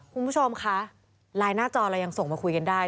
คุณผู้ชมคะไลน์หน้าจอเรายังส่งมาคุยกันได้